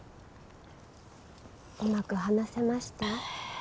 うまく話せました？